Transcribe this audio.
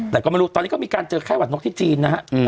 แต่ก็ไม่รู้ตอนนี้ก็มีการเจอไข้หวัดนกที่จีนนะฮะ